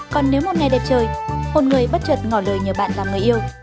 còn nếu một ngày đẹp trời hôn người bất trợt ngỏ lời nhờ bạn làm người yêu